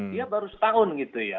dia baru setahun gitu ya